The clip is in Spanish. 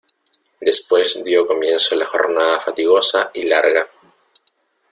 después dió comienzo la jornada fatigosa y larga.